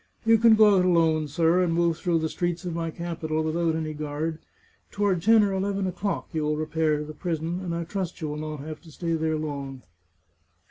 " You can go out alone, sir, and move through the streets of my capital without any guard. Toward ten or eleven o'clock you will repair to the prison, and I trust you will not have to stay there long."